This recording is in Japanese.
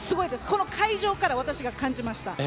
この会場から私が感じました。